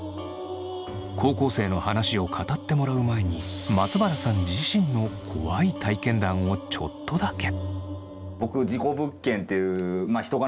高校生の話を語ってもらう前に松原さん自身の怖い体験談をちょっとだけ。